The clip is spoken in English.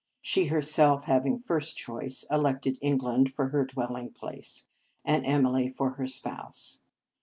She herself, hav ing first choice, elected England for her dwelling place, and Emily for her spouse.